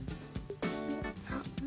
あっ。